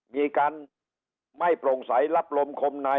มีการไม่โปร่งใสรับลมคมนาย